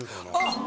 あっ。